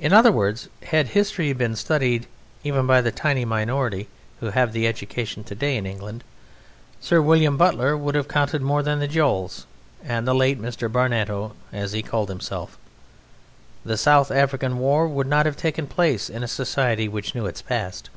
In other words, had history been studied even by the tiny minority who have education today in England, Sir William Butler would have counted more than the Joels, and the late Mr. Barnato (as he called himself); the South African War would not have taken place in a society which knew its past.